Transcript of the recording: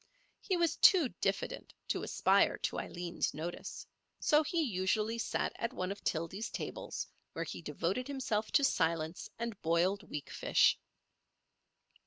He was too diffident to aspire to Aileen's notice; so he usually sat at one of Tildy's tables, where he devoted himself to silence and boiled weakfish.